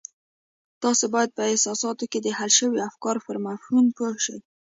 تاسې بايد په احساساتو کې د حل شويو افکارو پر مفهوم پوه شئ.